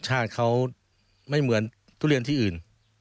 ชาติเขาไม่เหมือนทุเรียนที่อื่น